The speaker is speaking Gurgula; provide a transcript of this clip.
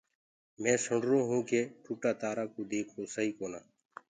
مينٚ سُرو هونٚ ڪي ٽوٽآ تآرآ ڪوُ ديگھوآ سئي ڪونآ۔